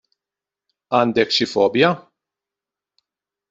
Għandek xi fobja?